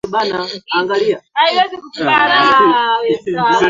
Nitaenda kucheza na baba yangu